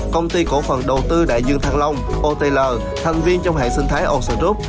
công ty cổ phần đầu tư đại dương thăng long otl thành viên trong hệ sinh thái oxy group